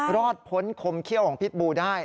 รอดพ้นคมเขี้ยวของพิษบูได้